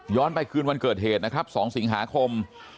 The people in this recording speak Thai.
ไปคืนวันเกิดเหตุนะครับ๒สิงหาคม